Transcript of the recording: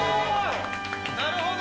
なるほど。